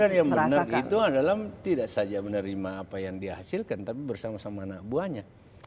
dan yang benar itu adalah tidak saja menerima apa yang dihasilkan tapi bersama sama anak buahnya